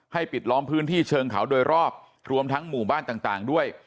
ปิดล้อมพื้นที่เชิงเขาโดยรอบรวมทั้งหมู่บ้านต่างด้วย